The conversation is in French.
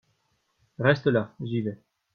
Reste là, j’y vais.